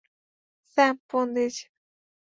Sam phone দিয়েছে।